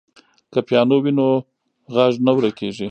که پیانو وي نو غږ نه ورکېږي.